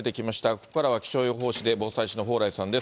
ここからは気象予報士で防災士の蓬莱さんです。